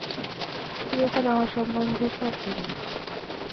তুই এখন আমার সম্বন্ধে সব জানিস।